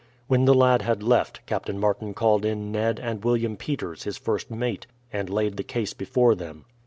When the lad had left, Captain Martin called in Ned and William Peters, his first mate, and laid the case before them.